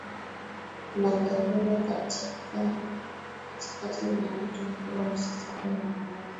lagawiwa katikati na mto mkubwa Mississippi unaoanza